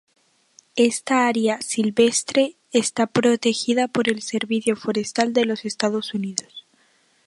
Esta área silvestre está protegida por el Servicio Forestal de los Estados Unidos.